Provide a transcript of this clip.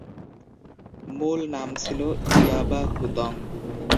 মূল নাম ছিল ইয়াবা হুতং।